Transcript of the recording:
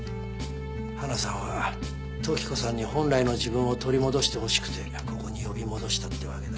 花さんは時子さんに本来の自分を取り戻してほしくてここに呼び戻したってわけだ。